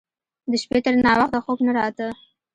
د شپې تر ناوخته خوب نه راته.